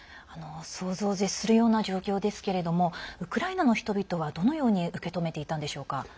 想像を絶するような状況ですけれどもウクライナの人々はどのように受け止めていたんでしょうか？